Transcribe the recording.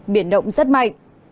biển động rất mạnh